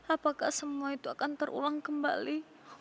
apakah semua itu akan terulang kembali